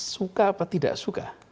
suka atau tidak suka